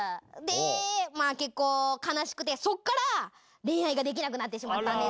で、結構悲しくて、そこから恋愛ができなくなってしまったんです。